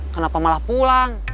kenapa malah pulang